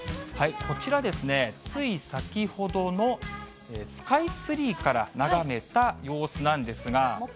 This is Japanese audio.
こちらですね、つい先ほどのスカイツリーから眺めた様子なんですが。